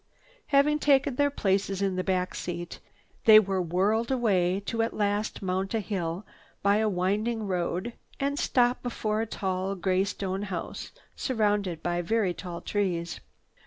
Having taken their places in the back seat, they were whirled away to at last mount a hill by a winding road and stop before a tall gray stone house surrounded by very tall trees.